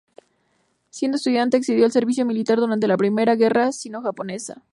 Siendo estudiante, accedió al servicio militar durante la Primera Guerra Sino-Japonesa.